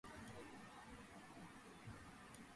კუნძული განიცდის ციკლონების ნეგატიურ ზემოქმედებას.